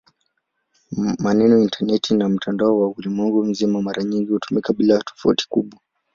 Maneno "intaneti" na "mtandao wa ulimwengu mzima" mara nyingi hutumika bila tofauti kubwa.